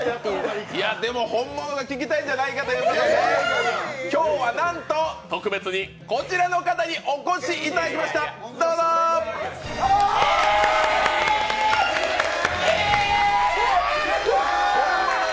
でも、本物が聴きたいんじゃないかということで、今日はなんと特別にこちらの方にお越しいただきました、どうぞ！え！！！